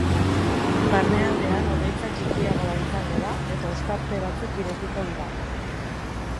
Barnealdean hodeitza txikiagoa izango da eta ostarte batzuk irekiko dira.